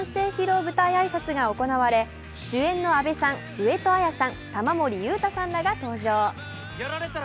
舞台挨拶が行われ主演の阿部さん上戸彩さん、玉森裕太さんらが登場。